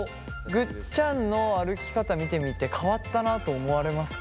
ぐっちゃんの歩き方見てみて変わったなと思われますか？